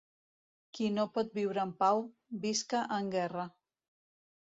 Qui no pot viure en pau, visca en guerra.